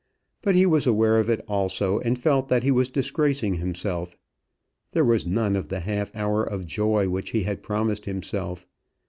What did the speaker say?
But he was aware of it also, and felt that he was disgracing himself. There was none of the half hour of joy which he had promised himself.